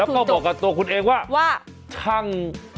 แล้วก็บอกกับตัวคุณเองว่าว่าช่าง